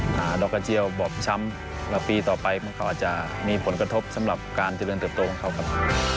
ดอกกระเจียวบอบช้ำแล้วปีต่อไปมันก็อาจจะมีผลกระทบสำหรับการเจริญเติบโตของเขาครับ